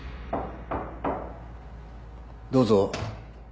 どうぞ。